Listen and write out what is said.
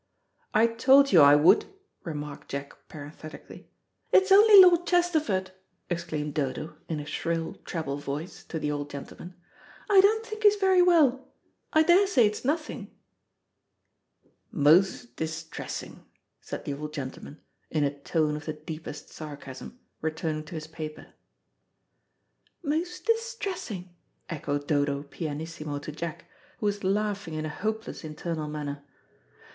"I told you I would," remarked Jack parenthetically, "It's only Lord Chesterford," exclaimed Dodo, in a shrill, treble voice, to the old gentleman. "I don't think he's very well. I daresay it's nothing." "Most distressin'," said the old gentleman, in a tone of the deepest sarcasm, returning to his paper. "Most distressin'," echoed Dodo pianissimo to Jack, who was laughing in a hopeless internal manner.